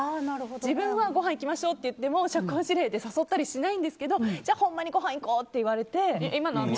自分はごはん行きましょうって社交辞令で誘ったりしないんですけどほんまに、ごはん行こうって言われて。